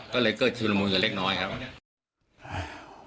ก็เลยเกิดชุมลมูลกันเล็กน้อยครับ